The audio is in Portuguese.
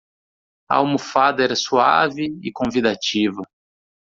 A almofada era suave e convidativa.